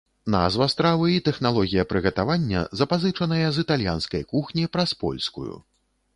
Назва стравы і тэхналогія прыгатавання запазычаныя з італьянскай кухні праз польскую.